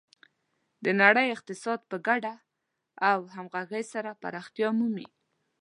د نړۍ اقتصاد په ګډه او همغږي سره پراختیا مومي.